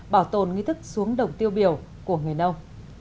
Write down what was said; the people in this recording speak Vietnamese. bảo tồn nghi thức xuống đồng tiêu biểu của người nông